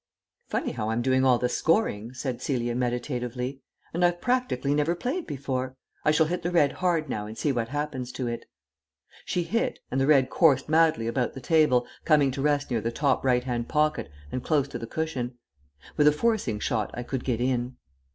"Funny how I'm doing all the scoring," said Celia meditatively. "And I've practically never played before. I shall hit the red hard now and see what happens to it." She hit, and the red coursed madly about the table, coming to rest near the top right hand pocket and close to the cushion. With a forcing shot I could get in.